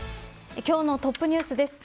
今日のトップニュースです。